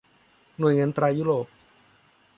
หน่วยเงินตรายุโรป